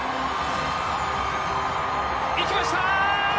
行きました！